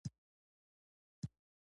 احمد تل په غم کې له خلکو سره خواخوږي کوي.